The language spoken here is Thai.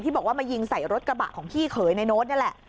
บอกว่ามายิงใส่รถกระบะของพี่เขยในโน้ตนี่แหละ